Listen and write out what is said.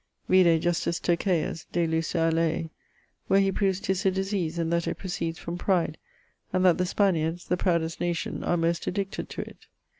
[LXII.] Vide Justus Turcaeus de lusu aleae, where he proves 'tis a disease and that it proceeds from pride, and that the Spaniards (the proudest nation) are most addicted to it.